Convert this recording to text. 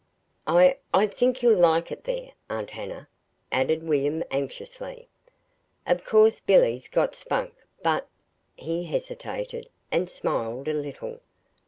I I think you'll like it there, Aunt Hannah," added William, anxiously. "Of course Billy's got Spunk, but " he hesitated, and smiled a little.